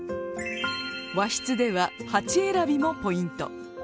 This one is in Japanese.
和室では鉢選びもポイント。